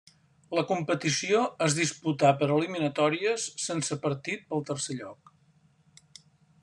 La competició es disputà per eliminatòries sense partit pel tercer lloc.